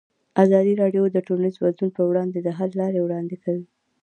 ازادي راډیو د ټولنیز بدلون پر وړاندې د حل لارې وړاندې کړي.